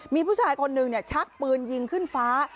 มีผู้ชายคนหนึ่งชักปืนยิงขึ้นฟ้า